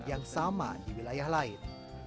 dan dengan jenis tanaman yang sama di wilayah lain